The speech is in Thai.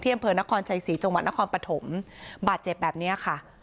อำเภอนครชัยศรีจังหวัดนครปฐมบาดเจ็บแบบนี้ค่ะ